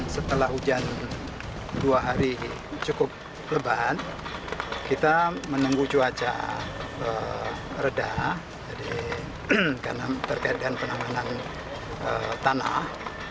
setelah hujan dua hari cukup lebat kita menunggu cuaca reda karena terkait dengan penanganan tanah